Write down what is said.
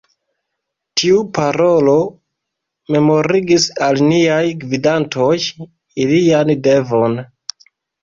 Tiu parolo memorigis al niaj gvidantoj ilian devon.